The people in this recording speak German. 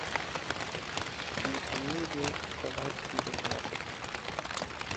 Die Familie verweist sie des Ortes.